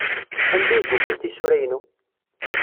Anda ay yufa tisura-inu?